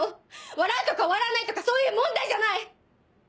笑うとか笑わないとかそういう問題じゃない！